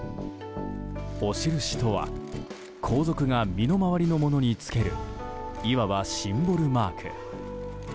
お印とは皇族が身の回りのものにつける、いわばシンボルマーク。